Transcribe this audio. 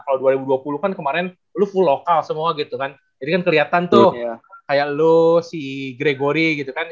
kalau dua ribu dua puluh kan kemarin lo full lokal semua gitu kan jadi kan kelihatan tuh kayak lo si gregory gitu kan